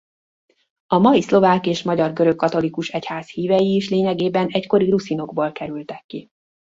A mai szlovák és magyar görögkatolikus egyház hívei is lényegében egykori ruszinokból kerültek ki.